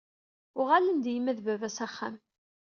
Uɣalen-d yemma d baba s axxam.